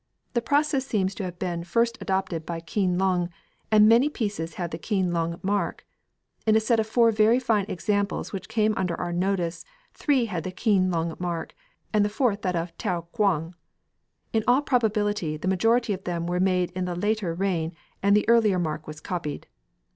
The process seems to have been first adopted by Keen lung, and many pieces have the Keen lung mark. In a set of four very fine examples which came under our notice three had the Keen lung mark, and the fourth that of Taou kwang. In all probability the majority of them were made in the later reign and the earlier mark was copied.